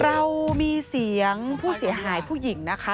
เรามีเสียงผู้เสียหายผู้หญิงนะคะ